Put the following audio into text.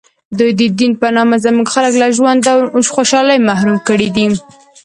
دوی د دین په نامه زموږ خلک له ژوند و خوشحالۍ محروم کړي دي.